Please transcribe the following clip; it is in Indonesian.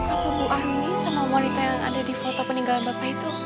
apa bu aruni sama wanita yang ada di foto peninggalan bapak itu